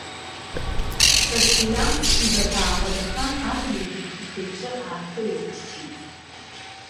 Кастелианц идақәа аакәадахан, адырҩегьых ихы-иҿы ааихеирччеит.